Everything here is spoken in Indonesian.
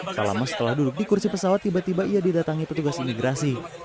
tak lama setelah duduk di kursi pesawat tiba tiba ia didatangi petugas imigrasi